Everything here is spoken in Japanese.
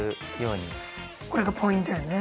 これがポイントやんね？